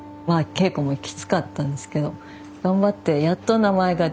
稽古もきつかったんですけど頑張ってやっと名前が出てきた。